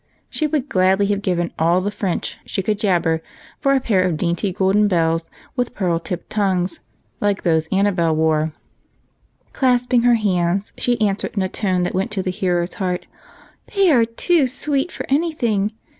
She would gladly have given all the French she could jabber for a pair of golden bells with pearl tipped tongues, like those Annabel wore ; and, clasping her hands, she answered, in a tone that went to the hearer's heart, — BAR RINGS. 169 "They are toe sweet for any thing!